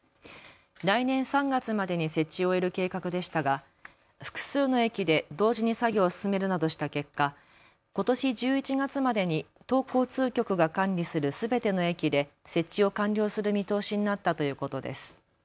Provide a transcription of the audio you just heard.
来年３月までに設置を終える計画でしたが複数の駅で同時に作業を進めるなどした結果、ことし１１月までに都交通局が管理するすべての駅で設置を完了する見通しになったということです。